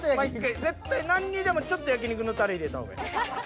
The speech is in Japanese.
絶対何にでもちょっと焼肉のタレ入れた方がいい。